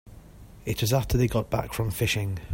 It was after they got back from fishing.